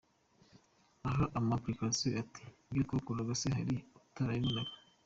Aha ampa explications, ati ibyo twakoraga se hari utarabibonaga?